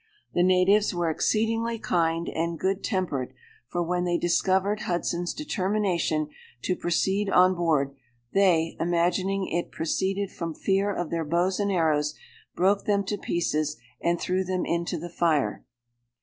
The natives were exceedingly kind and good tempered; for when they discovered Hudson's determination to proceed on board, they, imagining it proceeded from fear of their bows and arrows, broke them to pieces, and threw them into the fire."